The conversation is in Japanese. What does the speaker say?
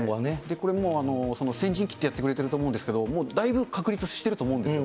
これもう、先陣切ってやってくれてると思うんですけど、もうだいぶ確立してると思うんですよ。